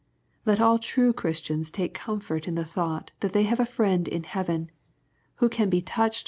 Let all true Christians take comfort in the thought that tliey have a Friend in heaven, who can be touched